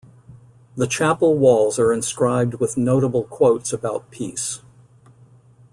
The chapel walls are inscribed with notable quotes about peace.